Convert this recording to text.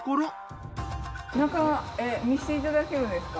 中見せていただけるんですか？